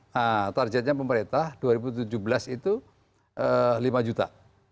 nah targetnya pemerintah dua ribu tujuh belas itu lima juta